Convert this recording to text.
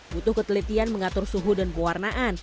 butuh ketelitian mengatur suhu dan pewarnaan